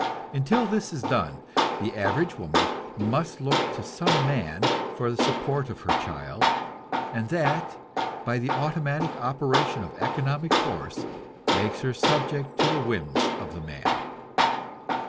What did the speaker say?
Until this is done, the average woman must look to some man for the support of her child, and that, by the automatic operation of economic force, makes her subject to the whims of the man.